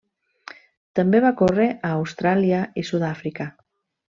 També va córrer a Austràlia i Sud-àfrica.